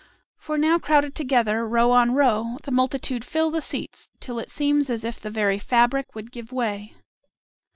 For now crowded together, row on row, the multitude fill the seats till it seems as if the very fabric would give way.